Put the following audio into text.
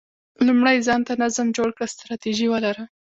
لومړی ځان ته نظم جوړ کړه، ستراتیژي ولره،